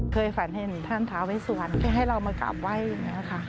เคยฝันเห็นท่านท้าเวสุวรรณแค่ให้เรามากราบไหว้อย่างนี้ค่ะ